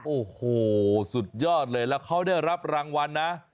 โอ้โหสุดยอดเลยแล้วเขาได้รับรางวัลนะ